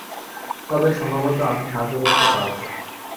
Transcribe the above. তবে, সম্ভবত আমি সাহায্য করতে পারবো।